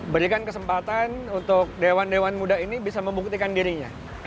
berikan kesempatan untuk dewan dewan muda ini bisa membuktikan dirinya